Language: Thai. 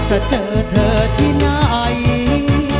ถ้าเจอเธอที่ไหน